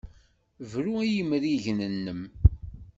Bru i yimrigen-nnem!